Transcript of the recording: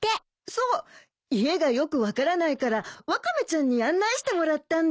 そう家がよく分からないからワカメちゃんに案内してもらったんだ。